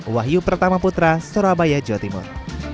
wahyu pertama putra surabaya jawa timur